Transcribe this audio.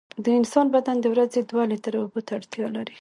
د انسان بدن د ورځې دوه لېټره اوبو ته اړتیا لري.